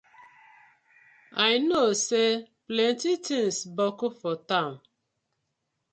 I kno say plenty tinz boku for town.